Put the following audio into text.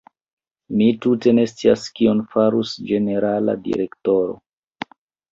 Mi tute ne scias kion farus ĝenerala direktoro.